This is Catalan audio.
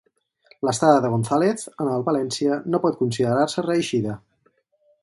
L'estada de González en el València no pot considerar-se reeixida.